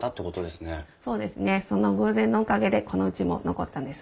そうですねその偶然のおかげでこのうちも残ったんです。